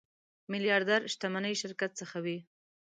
میلیاردر شتمني شرکت څخه وي.